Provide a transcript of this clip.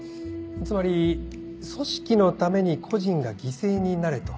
つまり組織のために個人が犠牲になれと。